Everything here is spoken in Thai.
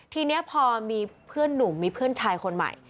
ทีนี้พอมีเพื่อนหนุ่มมีเพื่อนชายคนใหม่